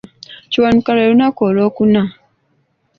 Kiwanuka lwe lunaku olwokuna.